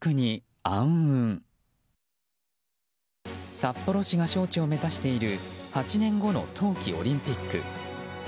札幌市が招致を目指している８年後の冬季オリンピック。